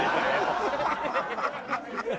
ハハハハ！